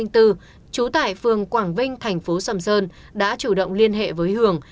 trú tại phường quảng vinh thành phố sầm sơn đã chủ động liên hệ với hường